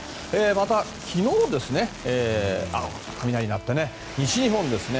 また昨日、雷が鳴って西日本ですね。